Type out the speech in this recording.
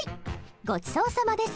「ごちそうさまです」